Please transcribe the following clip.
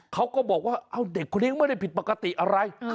เขาก็บอกว่าเด็กคนนี้ก็ไม่ได้ผิดปกติอะไร